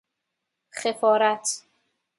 خفارت